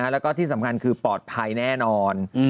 แล้วก็ที่สำคัญคือปลอดภัยแน่นอน